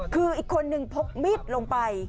คืออีกคนนึงพกมีดลงไป